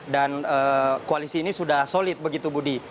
dan koalisi ini sudah solid begitu budi